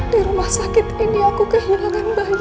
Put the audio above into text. di rumah sakit ini aku kehilangan bayi